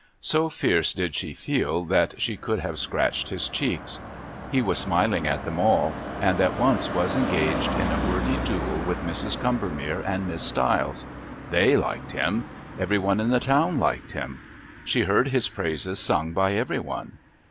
So fierce did she feel that she could have scratched his cheeks. He was smiling at them all, and at once was engaged in a wordy duel with Mrs. Combermere and Miss Stiles. They liked him; every one in the town liked him. She heard his praises sung by every one.